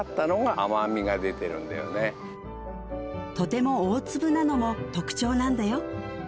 うんとても大粒なのも特徴なんだよ